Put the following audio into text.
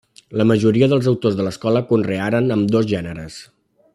La majoria dels autors de l'escola conrearen ambdós gèneres.